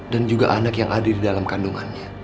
dan juga anak yang ada di dalam kandungannya